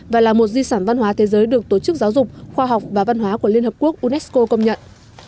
và là một di sản văn hóa thế giới được tổ chức giáo dục khoa học và văn hóa của liên hợp quốc unesco công nhận